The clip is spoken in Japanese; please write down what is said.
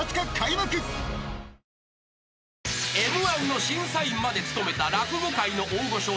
［Ｍ−１の審査員まで務めた落語界の大御所